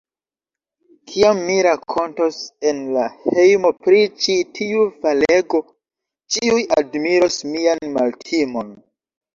Kiam mi rakontos en la hejmo pri ĉi tiu falego, ĉiuj admiros mian maltimon.